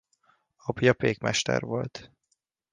Apja pékmester volt.